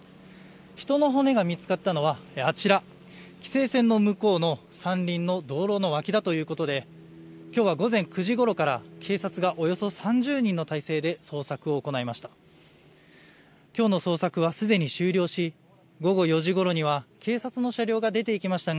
人の骨が見つかったのはあちら、規制線の向こう側の山林の道路の脇だということできょうは午前９時ごろから警察がおよそ３０人の態勢で捜索を行いました。